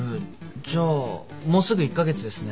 じゃあもうすぐ１カ月ですね。